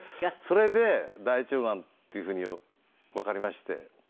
それで大腸がんっていう風にわかりまして。